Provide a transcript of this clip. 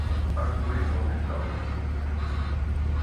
à jouer quand j’ai de l’argent!